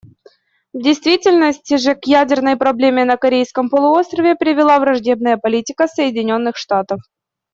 В действительности же к ядерной проблеме на Корейском полуострове привела враждебная политика Соединенных Штатов.